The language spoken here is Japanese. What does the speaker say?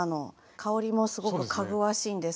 香りもすごくかぐわしいんですけども。